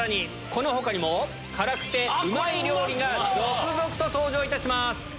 この他にも辛くてうまい料理が続々と登場いたします。